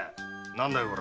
何だいこれ。